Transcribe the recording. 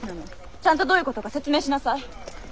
ちゃんとどういうことか説明しなさい。